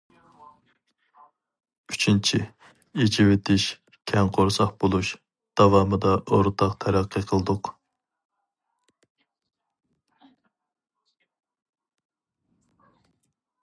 ئۈچىنچى، ئېچىۋېتىش، كەڭ قورساق بولۇش داۋامىدا ئورتاق تەرەققىي قىلدۇق.